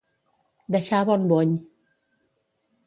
Deixar bon bony.